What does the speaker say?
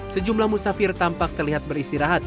sejumlah musafir tampak terlihat beristirahat